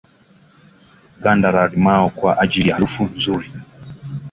Ganda la limao kwa ajili ya harufu nzuri